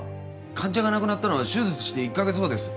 患者が亡くなったのは手術して１か月後です。